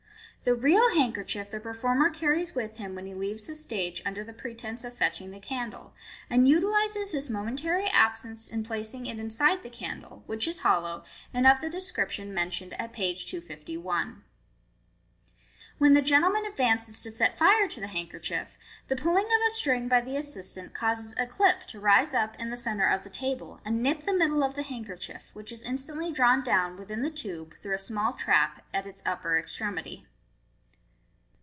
The real handkerchief the performer carries with him when he leaves the stage under the pretence of fetching the candle, and utilizes his momentary absence in placing it inside the candle, which is hollow, and of the description MODERN MAGIC. MX mentioned at page 251. When the gentleman advances to set fire to the handkerchief, the pulling of a string by the assistant causes a clip to rise up in the centre of the table, and nip the middle of the hand kerchief, which is instantly drawn down within the tube through a small trap at its upper extremity.